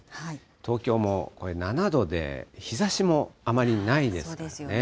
東京も７度で日ざしもあまりないですからね。